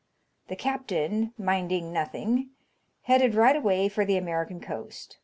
The captain, minding nothing, headed right away for the American coast.